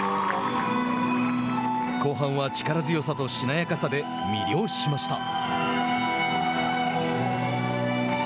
後半は力強さと、しなやかさで魅了しました。